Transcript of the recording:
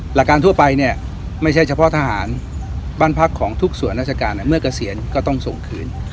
หลักการทั่วไปเนี่ยไม่ใช่เฉพาะทหารบ้านพักของทุกส่วนราชการเมื่อเกษียณก็ต้องส่งคืน